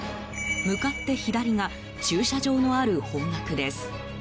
向かって左が駐車場のある方角です。